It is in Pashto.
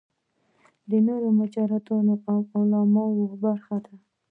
د نورو مجرده عالمونو برخه ده.